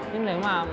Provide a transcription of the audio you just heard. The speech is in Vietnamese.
nhưng nếu mà